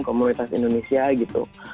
komunitas indonesia gitu